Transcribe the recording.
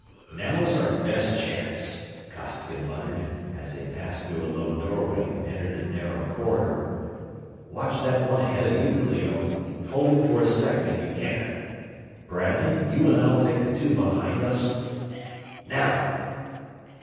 "Now's our best chance!" Costigan muttered, as they passed through a low doorway and entered a narrow corridor. "Watch that one ahead of you, Clio hold him for a second if you can. Bradley, you and I'll take the two behind us now!"